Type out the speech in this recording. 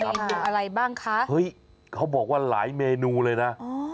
อะไรบ้างคะเขาบอกว่าหลายเมนูเลยนะ